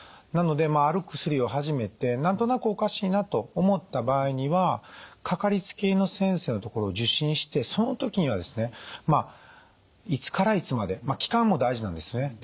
なのである薬を始めて何となくおかしいなと思った場合にはかかりつけ医の先生の所を受診してその時にはですねいつからいつまで期間も大事なんですよね。